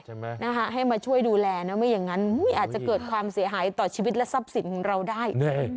ให้มาช่วยดูแลนะไม่อย่างนั้นอาจจะเกิดความเสียหายต่อชีวิตและทรัพย์สินของเราได้